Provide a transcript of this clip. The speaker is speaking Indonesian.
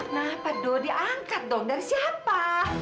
kenapa dok diangkat dong dari siapa